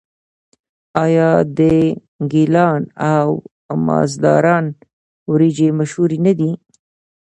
آیا د ګیلان او مازندران وریجې مشهورې نه دي؟